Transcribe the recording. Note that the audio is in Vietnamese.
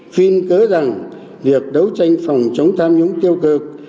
phim cớ rằng việc đấu tranh phòng chống tham nhũng tiêu cực